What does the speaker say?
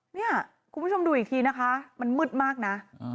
เนี่ยคุณผู้ชมดูอีกทีนะคะมันมืดมากนะ